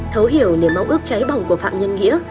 thấu hiểu nềm ống ước cháy bỏng của phạm nhân nghĩa